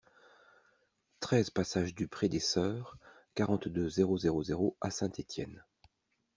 treize passage du Pré des Soeurs, quarante-deux, zéro zéro zéro à Saint-Étienne